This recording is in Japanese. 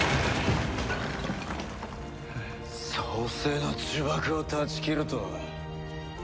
創世の呪縛を断ち切るとは。